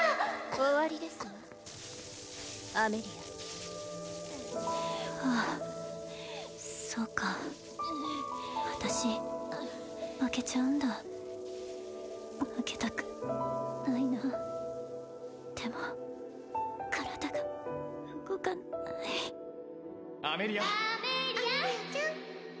終わりですわアメリアああそうか私負けちゃうんだ負けたくないなでも体が動かないアメリアアメリアちゃん